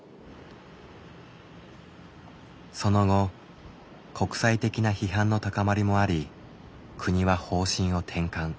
その後国際的な批判の高まりもあり国は方針を転換。